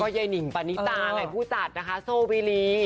ยายนิงปานิตาไงผู้จัดนะคะโซวีลี